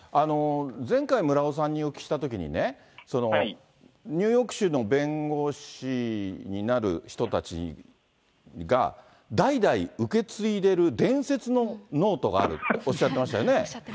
前回、村尾さんにお聞きしたときにね、ニューヨーク州の弁護士になる人たちが、代々受け継いでいる伝説のノートがあるっておっしゃってましたよね。